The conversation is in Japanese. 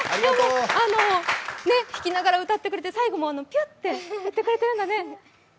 弾きながら歌ってくれて最後も、ピュッて言ってくれてるんだね。